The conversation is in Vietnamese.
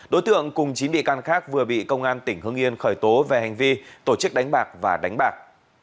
đối tượng cùng chín bị can khác vừa bị công an tỉnh hưng yên khởi tố về hành vi tổ chức đánh bạc và đánh bạc